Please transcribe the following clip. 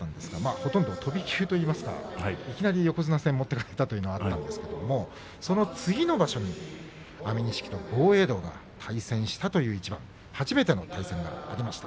ほとんど飛び級といいますかいきなり横綱戦に持っていかれたということがありますが次の場所に安美錦と豪栄道が対戦したという初めての対戦がありました。